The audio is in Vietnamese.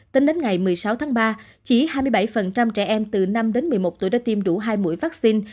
tính đến ngày một mươi sáu tháng ba chỉ hai mươi bảy trẻ em từ năm đến một mươi một tuổi đã tiêm đủ hai mũi vaccine